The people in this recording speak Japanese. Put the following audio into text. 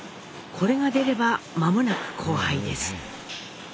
これが出れば間もなく交配です。